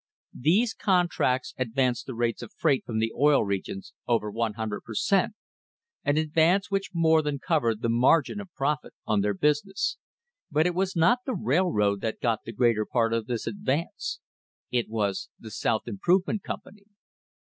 These contracts advanced the rates of freight from the Oil Regions over 100 per cent. — an advance which more than covered the margin of profit on their business — but it was not the railroad that got the greater part of this advance; it was the South Improvement Com pany.